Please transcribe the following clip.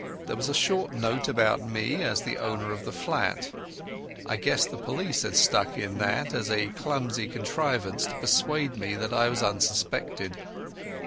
There was a short note about me as the owner of the flat. I guessed the police had stuck that in, as a clumsy contrivance to persuade me that I was unsuspected.